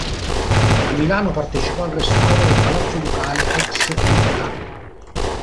A Milano partecipò al restauro del Palazzo Ducale ex Litta.